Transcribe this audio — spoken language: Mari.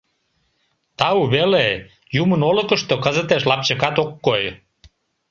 Тау веле, юмын олыкышто кызытеш лапчыкат ок кой.